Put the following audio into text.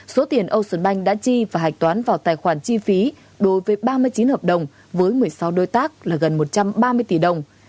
số tiền ocean bank đã chi và hạch toán vào tài khoản chi phí đối với ba mươi chín hợp đồng với một mươi sáu đối tác là gần một trăm ba mươi tỷ đồng